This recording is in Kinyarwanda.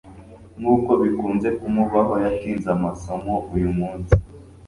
nkuko bikunze kumubaho, yatinze amasomo uyu munsi